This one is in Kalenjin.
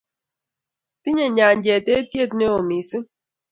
Tinyei nyanjet eitiet neo missing